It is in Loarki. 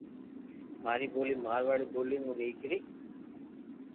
ماري ٻولي مارواڙي ٻولي مون نيڪري